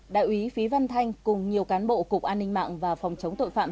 đại úy phí văn thanh cùng nhiều cán bộ cục an ninh mạng và phòng chống tội phạm